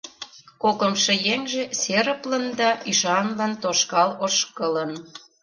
Кокымшо еҥже серыплын да ӱшанлын тошкал ошкылын.